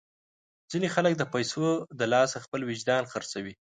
ځینې خلک د پیسو د لاسه خپل وجدان خرڅوي.